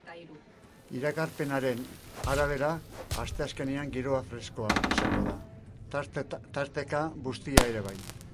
Iragarpenaren arabera, asteazkenean giroa freskoa izango da, tarteka bustia ere bai.